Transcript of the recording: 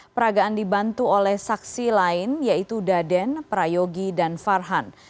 peragaan dibantu oleh saksi lain yaitu daden prayogi dan farhan